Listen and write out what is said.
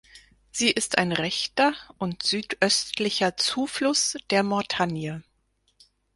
Sie ist ein rechter und südöstlicher Zufluss der Mortagne.